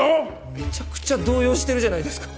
めちゃくちゃ動揺してるじゃないですか！